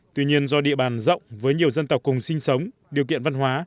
tuy nhiên do địa bàn rộng với nhiều dân tộc cùng sinh sống điều kiện văn hóa